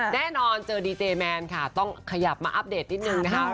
แน่นอนเจอดีเจแมนค่ะต้องขยับมาอัปเดตนิดนึงนะคะ